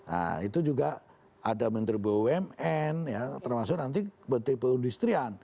nah itu juga ada menteri bumn ya termasuk nanti menteri perindustrian